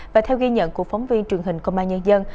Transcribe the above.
và theo ghi nhận của phóng viên truyền hình công an nhân dân